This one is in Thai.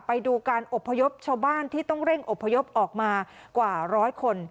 ไปดูการอบภยบเฉพาะบ้านที่ต้องเร่งอบภยบออกมากว่า๑๐๐คน